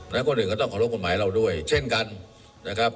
และคนอื่นก็ต้องขอรบกฎหมายเราด้วยเช่นกันนะครับ